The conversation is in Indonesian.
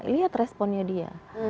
lihat responnya dia